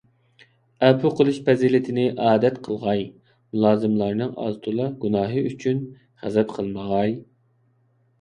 ئەپۇ قىلىش پەزىلىتىنى ئادەت قىلغاي، مۇلازىملارنىڭ ئاز - تولا گۇناھى ئۈچۈن غەزەپ قىلمىغاي.